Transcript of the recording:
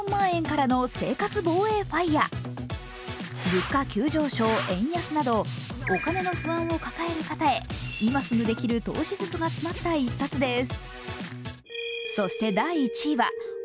物価急上昇、円安などお金の不安を抱える方へ、今すぐできる投資術が詰まった１冊です。